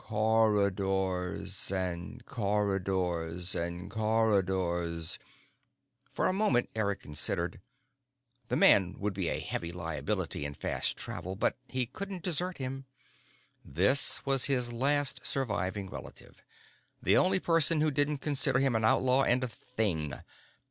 Corridors and corridors and corridors " For a moment, Eric considered. The man would be a heavy liability in fast travel. But he couldn't desert him. This was his last surviving relative, the only person who didn't consider him an outlaw and a thing.